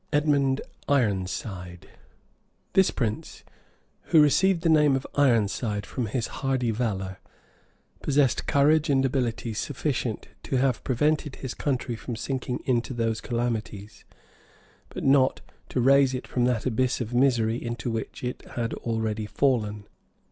EDMOND IRONSIDE This prince, who received the name of Ironside from his hardy valor, possessed courage and abilities sufficient to have prevented his country from sinking into those calamities, but not to raise it from that abyss of misery into which it had already fallen.